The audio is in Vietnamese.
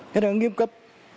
cái đó nghiêm cấp